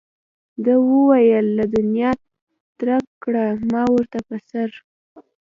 ده وویل له دنیا ترک کړه ما ورته په سر.